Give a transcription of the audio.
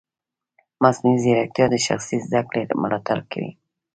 مصنوعي ځیرکتیا د شخصي زده کړې ملاتړ کوي.